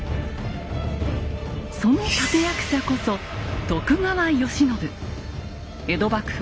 その立て役者こそ江戸幕府